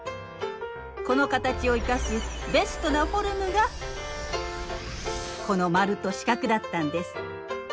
この形を生かすベストなフォルムがこの丸と四角だったんです。